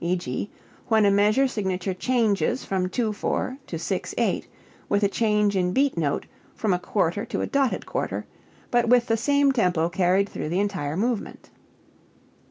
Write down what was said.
E.g., when a measure signature changes from 2/4 to 6/8 with a change in beat note from a quarter to a dotted quarter, but with the same tempo carried through the entire movement.